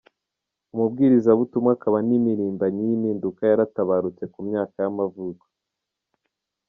umubwirizabutumwa, akaba yari n’impirimbanyi y’impinduka, yaratabarutse, ku myaka y’amavuko.